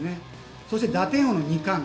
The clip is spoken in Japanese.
そして打点王の２冠。